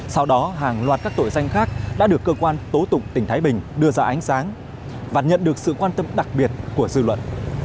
sau đó hàng loạt các tội danh khác đã được cơ quan tố tụng tỉnh thái bình đưa ra ánh sáng và nhận được sự quan tâm đặc biệt của dư luận